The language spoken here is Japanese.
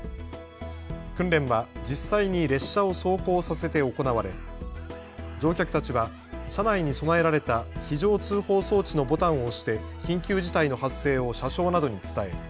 訓練は実際に列車を走行させて行われ乗客たちは車内に備えられた非常通報装置のボタンを押して緊急事態の発生を車掌などに伝え